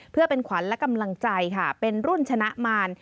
เพื่อเป็นขวัญและกำลังใจค่ะเป็นรุ่นชนะมาร